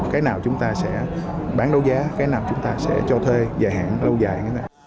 cái nào chúng ta sẽ bán đấu giá cái nào chúng ta sẽ cho thuê dài hạn lâu dài